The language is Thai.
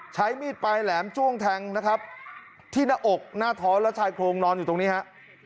ใช้มีดปลายแหลมจ้วงแทงนะครับที่หน้าอกหน้าท้อและชายโครงนอนอยู่ตรงนี้ฮะ